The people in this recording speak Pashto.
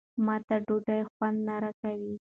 ما ته ډوډۍ خوند نه راکوي.